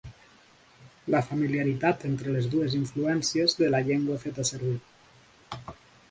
La familiaritat entre les dues influències de la llengua feta servir.